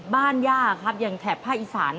ย่าครับอย่างแถบภาคอีสาน